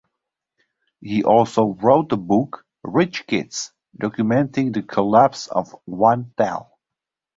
He also wrote a book "Rich Kids", documenting the collapse of One.Tel.